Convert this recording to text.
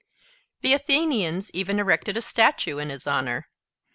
The Athenians even erected a statue in his honor.